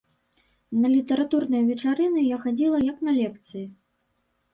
На літаратурныя вечарыны я хадзіла як на лекцыі.